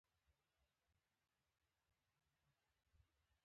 مېلمه ته ځای ورکول مهرباني ده.